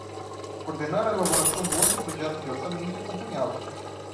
Coordenar a elaboração do anteprojecto de orçamento e acompanhá-lo.